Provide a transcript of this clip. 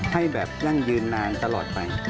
ให้แบบยั่งยืนนานตลอดไป